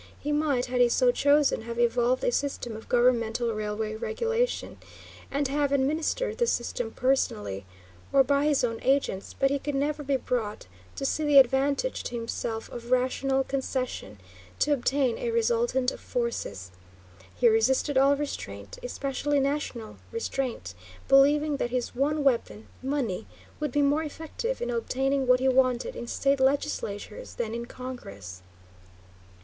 He might, had he so chosen, have evolved a system of governmental railway regulation, and have administered the system personally, or by his own agents, but he could never be brought to see the advantage to himself of rational concession to obtain a resultant of forces. He resisted all restraint, especially national restraint, believing that his one weapon money would be more effective in obtaining what he wanted in state legislatures than in Congress.